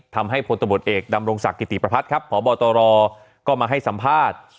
ทำให้พลตบทเอกดำรงศักดิ์กิติประพัทธ์ผอบตรก็มาให้สัมภาษณ์